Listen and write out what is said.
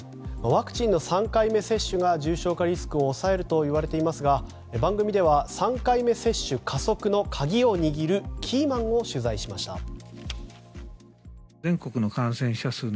ワクチンの３回目接種が重症化リスクを抑えるといわれていますが番組では３回目接種加速の鍵を握るキーマンを取材しました。